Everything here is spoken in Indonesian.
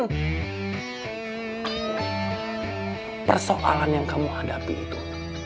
dan persoalan yang kamu hadapi itu